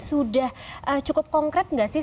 sudah cukup konkret nggak sih